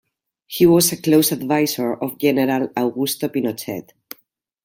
He was a close advisor of General Augusto Pinochet.